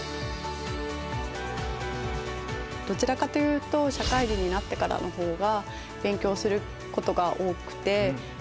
どちらかというと社会人になってからの方が勉強することが多くて。